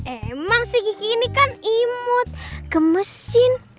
emang si kiki ini kan imut gemesin